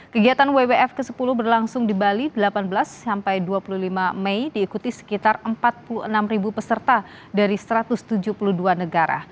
kegiatan wwf ke sepuluh berlangsung di bali delapan belas sampai dua puluh lima mei diikuti sekitar empat puluh enam peserta dari satu ratus tujuh puluh dua negara